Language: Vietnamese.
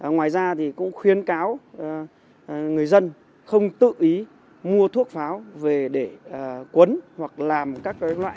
ngoài ra thì cũng khuyên cáo người dân không tự ý mua thuốc pháo về để cuốn hoặc làm các loại sản xuất pháo nổ